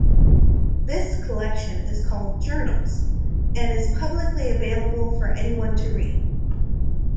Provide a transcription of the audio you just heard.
This collection is called "journals", and is publicly available for anyone to read.